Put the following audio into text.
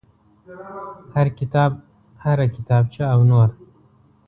هر کتاب هر کتابچه او نور.